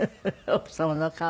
奥様の顔。